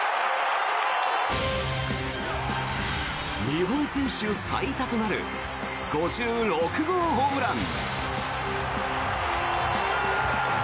日本選手最多となる５６号ホームラン。